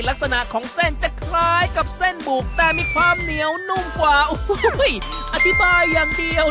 ลักษณะของเส้นจะคล้ายกับเส้นบุกแต่มีความเหนียวนุ่มกว่าโอ้โหอธิบายอย่างเดียว